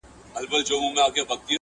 د ده حکم، که خبره وه قانون وو!.